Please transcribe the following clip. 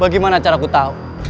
bagaimana cara ku tahu